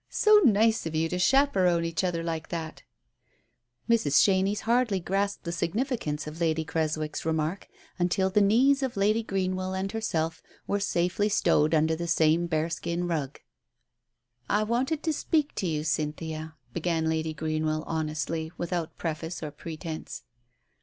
"So nice of you to chaperon each other like that I " Mrs. Chenies hardly grasped the significance of Lady Creswick's remark until the knees of Lady Greenwell and herself were safely stowed under the same bearskin rug. "I wanted to speak to you, Cynthia," began Lady Greenwell honestly, without preface or pretence.